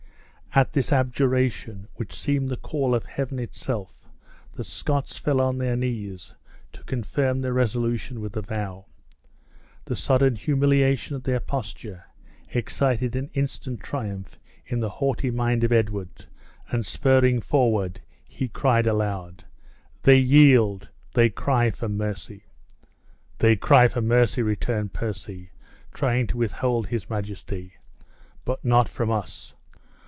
At this abjuration, which seemed the call of Heaven itself, the Scots fell on their knees, to confirm their resolution with a vow. The sudden humiliation of their posture excited an instant triumph in the haughty mind of Edward, and spurring forward, he shouted aloud, "They yield! They cry for mercy!" "They cry for mercy!" returned Percy, trying to withhold his majesty, "but not from us.